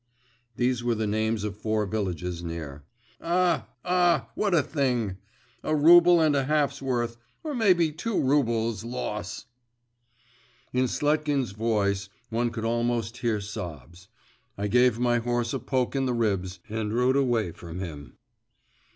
(these were the names of four villages near). Ah, ah, what a thing! A rouble and a half's worth, or, maybe, two roubles' loss!' In Sletkin's voice, one could almost hear sobs. I gave my horse a poke in the ribs and rode away from him.